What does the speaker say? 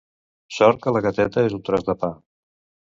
Sort que la gateta és un tros de pa.